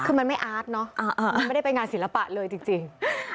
คือมันไม่อาร์ตเนอะไม่ได้ไปงานศิลปะเลยจริง